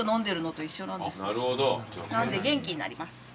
なんで元気になります。